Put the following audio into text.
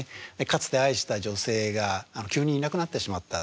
かつて愛した女性が急にいなくなってしまった。